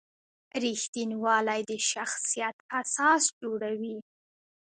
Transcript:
رښتینولي د شخصیت اساس جوړوي.